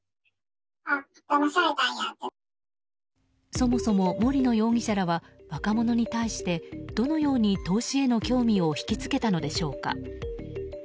そもそも森野容疑者らは若者に対してどのように投資への興味を引き付けたのでしょうか。